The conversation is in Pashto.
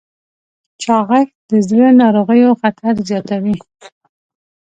چاغښت د زړه ناروغیو خطر زیاتوي.